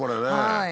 はい。